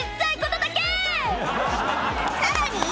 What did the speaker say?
さらに